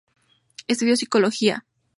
Estudió psicología en St.